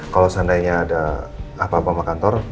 kalau seandainya ada apa apa sama kantor